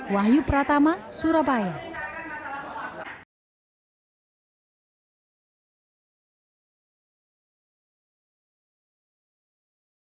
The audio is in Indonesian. wahyu pratama surabaya